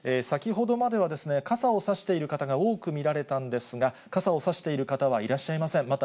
先ほどまではですね、傘を差している方が多く見られたんですが、傘を差している方はいらっしゃいません。